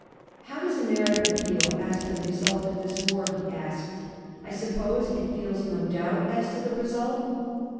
"How does America feel as to the result of this war?" he asked, "I suppose it feels no doubt as to the result."